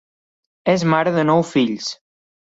És mare de nou fills.